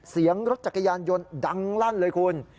เสียงรถจักรยานยนต์ดังลั่นเลยคุณ